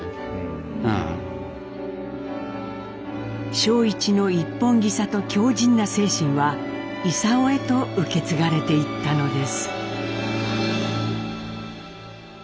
正一の一本気さと強じんな精神は勲へと受け継がれていったのです。